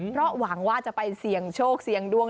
เพราะหวังว่าจะไปเสี่ยงโชคเสี่ยงดวง